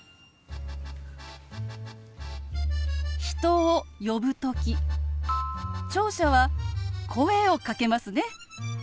人を呼ぶ時聴者は声をかけますね。